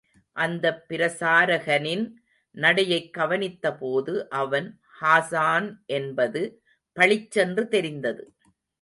அந்தப் பிரசாரகனின் நடையைக் கவனித்தபோது அவன் ஹாஸான் என்பது பளிச்சென்று தெரிந்தது.